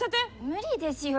無理ですよ